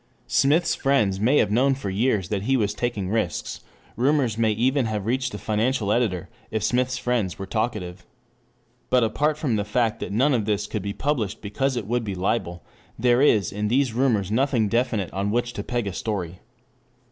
Smith's friends may have known for years that he was taking risks, rumors may even have reached the financial editor if Smith's friends were talkative. But apart from the fact that none of this could be published because it would be libel, there is in these rumors nothing definite on which to peg a story.